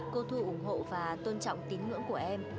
cô thu ủng hộ và tôn trọng tín ngưỡng của em